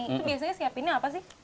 itu biasanya siapinnya apa sih